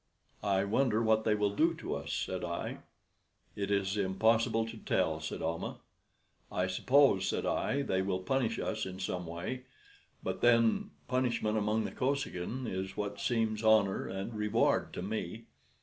"I wonder what they will do to us?" said I. "It is impossible to tell," said Almah. "I suppose," said I, "they will punish us in some way; but then punishment among the Kosekin is what seems honor and reward to me.